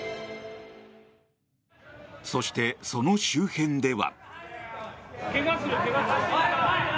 そして、その周辺では。